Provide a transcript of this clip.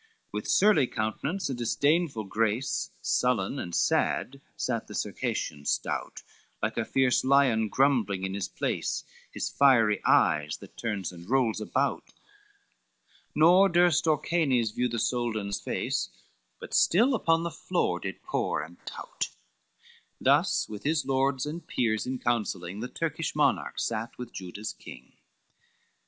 LVI With surly countenance and disdainful grace, Sullen and sad, sat the Circassian stout, Like a fierce lion grumbling in his place, His fiery eyes that turns and rolls about; Nor durst Orcanes view the Soldan's face, But still upon the floor did pore and tout: Thus with his lords and peers in counselling, The Turkish monarch sat with Juda's king.